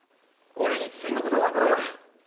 俺に薬のことはわからん。